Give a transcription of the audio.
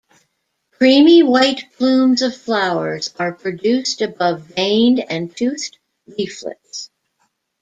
Creamy white plumes of flowers are produced above veined and toothed leaflets.